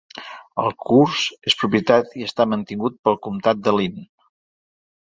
El curs és propietat i està mantingut pel comtat de Linn.